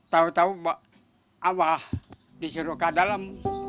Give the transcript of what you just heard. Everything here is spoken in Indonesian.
tau tau abah disuruh ke dalam